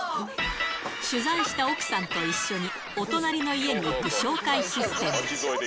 取材した奥さんと一緒にお隣の家に行く紹介システム。